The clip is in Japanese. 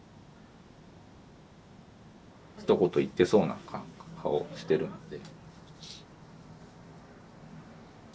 ひと言言ってそうな顔してるんで。